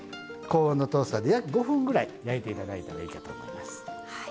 高温のトースターで約５分ぐらい焼いて頂いたらいいかと思います。